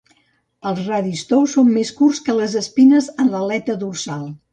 Els radis tous són més curts que les espines en l'aleta dorsal.